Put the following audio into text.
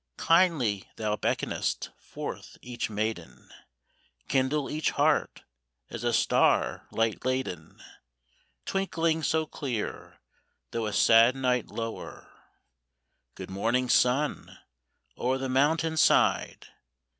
Kindly thou beckonest forth each maiden; Kindle each heart as a star light laden, Twinkling so clear, though a sad night lower! Good morning, sun, o'er the mountain side!